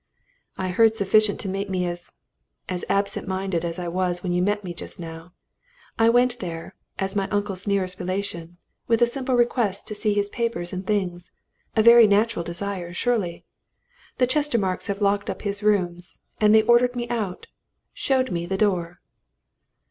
"I heard sufficient to make me as as absent minded as I was when you met me just now! I went there, as my uncle's nearest relation, with a simple request to see his papers and things a very natural desire, surely. The Chestermarkes have locked up his rooms and they ordered me out showed me the door!"